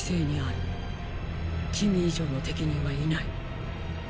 君以上の適任はいない。